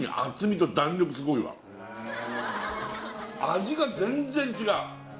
味が全然違う！